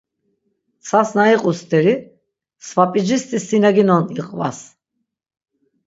Tsas na iqu steri, svap̌icisti sin na ginon iqvas.